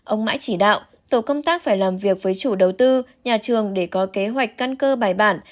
ông mãi chỉ đạo tổ công tác phải làm việc với chủ đầu tư nhà trường để có kế hoạch căn cơ bài bản